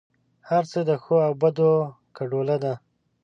هر څه د ښو او بدو ګډوله ده.